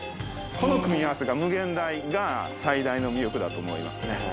この組み合わせが無限大が最大の魅力だと思いますね。